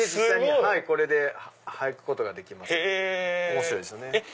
面白いですよね。